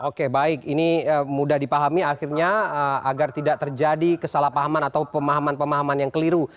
oke baik ini mudah dipahami akhirnya agar tidak terjadi kesalahpahaman atau pemahaman pemahaman yang keliru